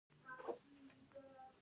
ایا ستاسو معلومات به دقیق وي؟